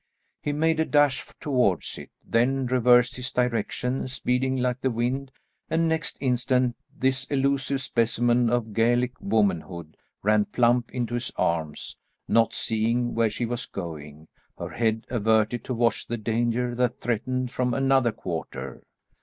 He made a dash towards it, then reversed his direction, speeding like the wind, and next instant this illusive specimen of Gallic womanhood ran plump into his arms, not seeing where she was going, her head averted to watch the danger that threatened from another quarter.